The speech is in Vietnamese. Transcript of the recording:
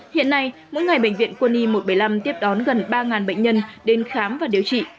hiện nay mỗi ngày bệnh viện quân y một trăm bảy mươi năm tiếp đón gần ba bệnh nhân đến khám và điều trị